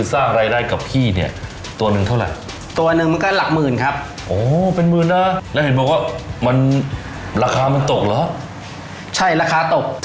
จากตัวละหมื่นเหลือเท่าไหร่ครับ